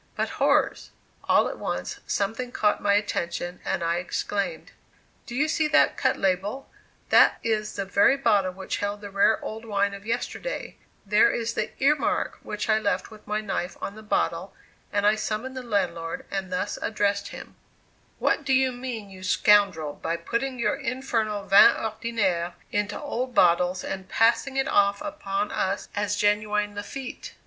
But horrors! all at once, something caught my attention and I exclaimed: "Do you see that cut label? That is the very bottle which held the rare old wine of yesterday; there is the 'ear mark' which I left with my knife on the bottle" and I summoned the landlord and thus addressed him: "What do you mean, you scoundrel, by putting your infernal vin ordinaire into old bottles, and passing it off upon us as genuine 'Lafitte?